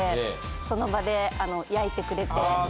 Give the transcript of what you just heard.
その場で焼いてくれて。